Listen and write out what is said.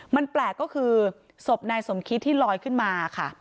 มันแปลกก็คือศพนายสมคิดที่ลอยขึ้นมาค่ะ